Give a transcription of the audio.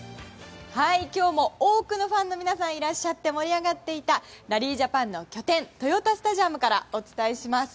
今日も多くのファンの皆さんがいらっしゃって盛り上がっていたラリー・ジャパンの拠点豊田スタジアムからお伝えします。